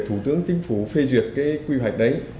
thủ tướng tinh phú phê duyệt cái quy hoạch đấy